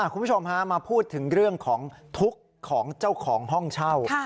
คุณผู้ชมฮะมาพูดถึงเรื่องของทุกข์ของเจ้าของห้องเช่า